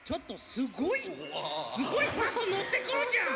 すごいバスのってくるじゃん。